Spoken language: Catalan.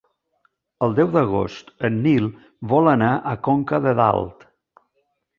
El deu d'agost en Nil vol anar a Conca de Dalt.